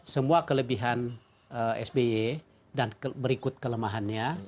semua kelebihan sby dan berikut kelemahannya